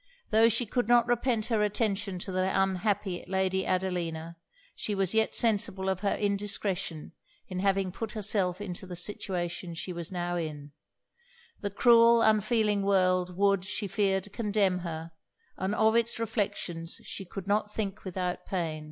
Tho' she could not repent her attention to the unhappy Lady Adelina, she was yet sensible of her indiscretion in having put herself into the situation she was now in; the cruel, unfeeling world would, she feared, condemn her; and of it's reflections she could not think without pain.